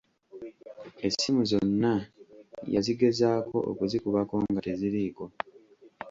Essimu zonna yazigezaako okuzikubako nga teziriiko.